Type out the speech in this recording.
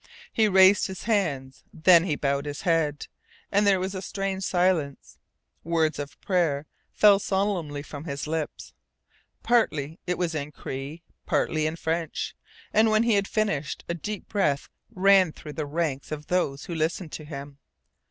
He raised his hands. Then he bowed his head, and there was a strange silence. Words of prayer fell solemnly from his lips. Partly it was in Cree, partly in French, and when he had finished a deep breath ran through the ranks of those who listened to him.